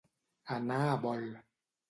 Anar a bol.